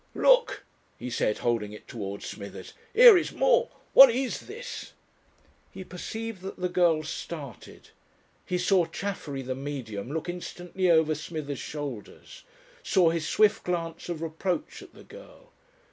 "Look!" he said, holding it towards Smithers. "Here is more! What is this?" He perceived that the girl started. He saw Chaffery, the Medium, look instantly over Smithers' shoulders, saw his swift glance of reproach at the girl.